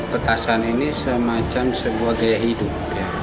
petasan ini semacam sebuah gaya hidup